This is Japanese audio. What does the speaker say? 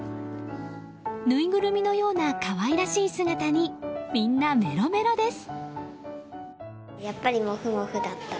ぬいぐるみのような可愛らしい姿にみんな、メロメロです。